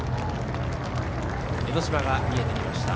江の島が見えてきました。